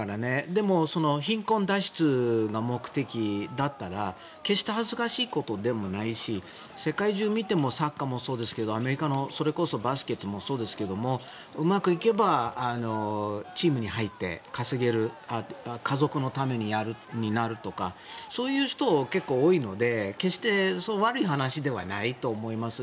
でも、貧困脱出が目的だったら決して恥ずかしいことでもないし世界中を見てもサッカーもそうですけどアメリカのそれこそバスケットもそうですけどうまく行けばチームに入って稼げる家族のためにやるとかそういう人、結構多いので決して悪い話ではないと思います。